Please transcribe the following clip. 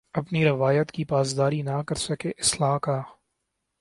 اپنی روایت کی پاسداری نہ کر سکے اصلاح کا